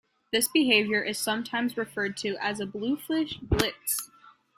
This behavior is sometimes referred to as a "bluefish blitz".